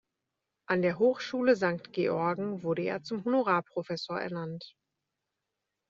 An der Hochschule Sankt Georgen wurde er zum Honorarprofessor ernannt.